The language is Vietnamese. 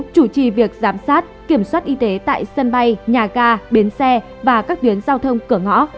chủ trì việc giám sát kiểm soát y tế tại sân bay nhà ga bến xe và các tuyến giao thông cửa ngõ